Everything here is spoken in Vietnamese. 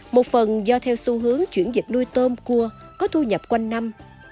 một phần do theo xu hướng chuyển dịch nuôi tôm cua có thu nhập quanh năm